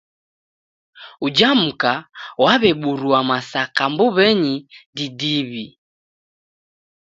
Uja mka w'aw'eburua masaka mbuw'enyi didiwi